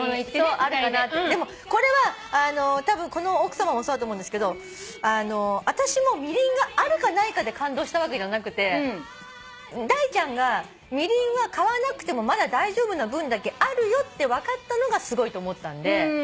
でもこれはたぶんこの奥さまもそうだと思うんですけど私もみりんがあるかないかで感動したわけじゃなくてダイちゃんがみりんは買わなくてもまだ大丈夫な分だけあるよって分かったのがすごいと思ったんで。